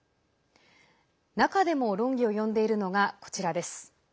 中でも、論議を呼んでいるのがこちらです。